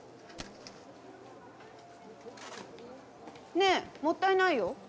ねえもったいないよ。